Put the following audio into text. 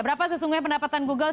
berapa sesungguhnya pendapatan google